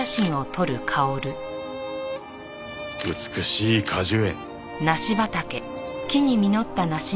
美しい果樹園。